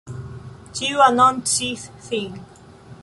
Ĉiu anoncis sin.